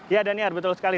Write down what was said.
iya danier betul sekali